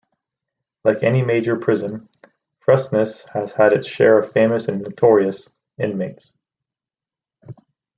Like any major prison, Fresnes has had its share of famous and notorious inmates.